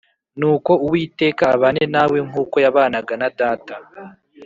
Nuko Uwiteka abane nawe nk’uko yabanaga na data.